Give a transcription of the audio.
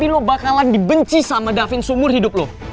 lo bakalan dibenci sama davin seumur hidup lo